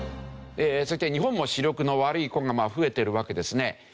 そして日本も視力の悪い子が増えてるわけですね。